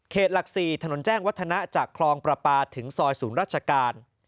หลัก๔ถนนแจ้งวัฒนะจากคลองประปาถึงซอยศูนย์ราชการ